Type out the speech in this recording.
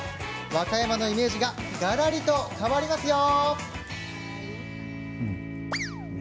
和歌山のイメージががらりと変わりますよ。